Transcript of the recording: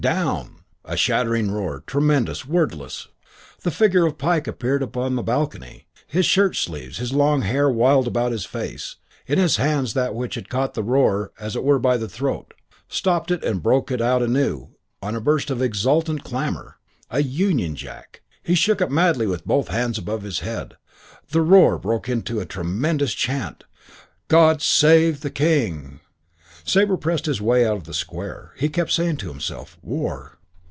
Down! A shattering roar, tremendous, wordless. The figure of Pike appeared upon the balcony, in his shirt sleeves, his long hair wild about his face, in his hands that which caught the roar as it were by the throat, stopped it and broke it out anew on a burst of exultant clamour. A Union Jack. He shook it madly with both hands above his head. The roar broke into a tremendous chant. "God Save the King!" Sabre pressed his way out of the Square. He kept saying to himself, "War....